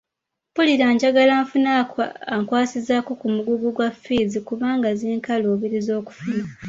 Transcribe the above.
Mpulira njagala nfune ankwasizaako ku mugugu gwa ffiizi kubanga zinkaluubiriza okufuna.